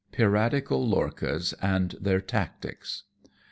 PIRATICAL LOECHAS AND THEIE TACTICS.